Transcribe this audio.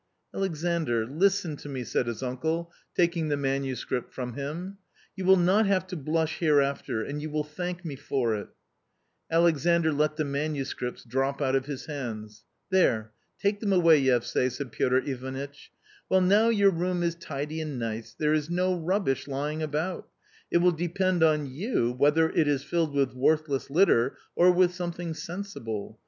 44 Alexandr, listen to me," said his uncle, taking the manuscript from him :— 44 you will not have to blush here after and you will thank me for it" Alexandr let the manuscripts drop out of his hands. 44 There, take them away, Yevsay," said Piotr Ivanitch. 44 Well now your room is tidy and nice, there is no rubbish lying about ; it will depend on you whether it is filled with worthless litter or with something sensible.